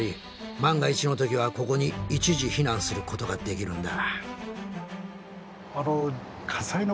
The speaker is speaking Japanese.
万が一の時はここに一時避難することができるんだ。